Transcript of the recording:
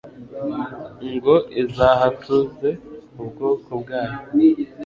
ngo izahatuze ubwoko bwayo